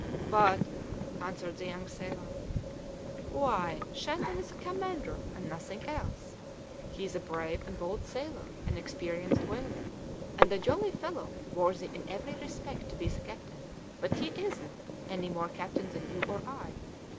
"But " answered the young sailor "Why, Shandon is commander, and nothing else; he's a brave and bold sailor, an experienced whaler, and a jolly fellow worthy in every respect to be the captain, but he isn't any more captain than you or I.